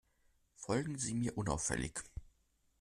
Folgen Sie mir unauffällig.